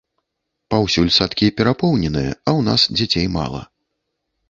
Паўсюль садкі перапоўненыя, а ў нас дзяцей мала.